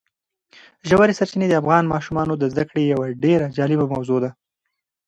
ژورې سرچینې د افغان ماشومانو د زده کړې یوه ډېره جالبه موضوع ده.